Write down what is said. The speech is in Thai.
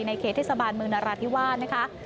เขตเทศบาลเมืองนราธิวาสนะคะ